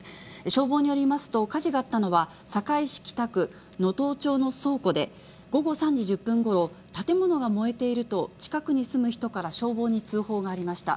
消防によりますと、火事があったのは、堺市北区野遠町の倉庫で、午後３時１０分ごろ、建物が燃えていると、近くに住む人から消防に通報がありました。